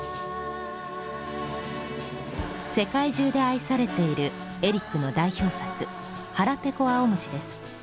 世界中で愛されているエリックの代表作「はらぺこあおむし」です。